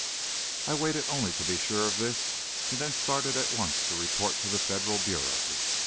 "I waited only to be sure of this, and then started at once to report to the Federal Bureau."